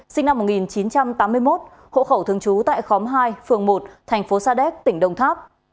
sinh năm một nghìn chín trăm tám mươi một hộ khẩu thường trú tại khóm hai phường một thành phố sa đéc tỉnh đồng tháp